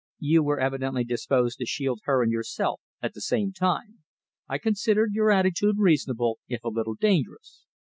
You were evidently disposed to shield her and yourself at the same time. I considered your attitude reasonable, if a little dangerous.